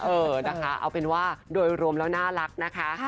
เออนะคะเอาเป็นว่าโดยรวมแล้วน่ารักนะคะ